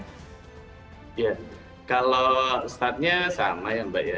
ya kalau startnya sama ya mbak ya